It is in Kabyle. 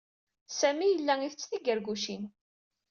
Sami yella isett tigargucin.